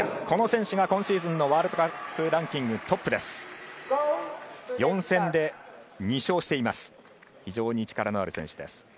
この選手が今シーズンのワールドカップランキングトップです。